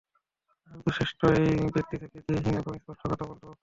আমি তো শ্রেষ্ঠ এই ব্যক্তি থেকে, যে হীন এবং স্পষ্ট কথা বলতেও অক্ষম।